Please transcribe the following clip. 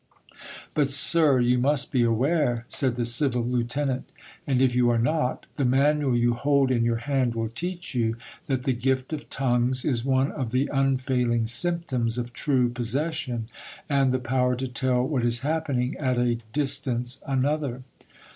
"But, sir, you must be aware," said the civil lieutenant, "and if you are not, the manual you hold in your hand will teach you, that the gift of tongues is one of the unfailing symptoms of true possession, and the power to tell what is happening at a distance another."